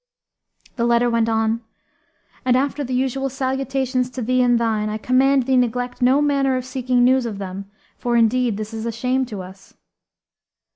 The letter went on, "And after the usual salutations to thee and thine, I command thee neglect no manner of seeking news of them for indeed this is a shame to us."